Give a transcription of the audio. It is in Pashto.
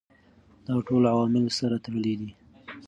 دا ټول عوامل سره تړلي دي.